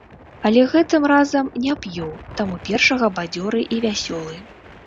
Але гэтым разам не п'ю, таму першага бадзёры і вясёлы.